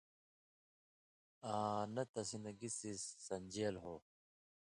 آں نہ تسِی نہ گی څیز سن٘دژېلوۡ ہو